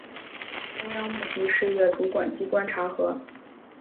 中央目的事业主管机关查核